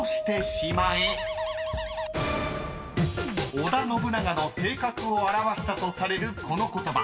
［織田信長の性格を表したとされるこの言葉］